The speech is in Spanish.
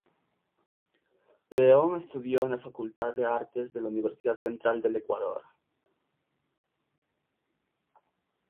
León estudió en la Facultad de Artes de la Universidad Central del Ecuador.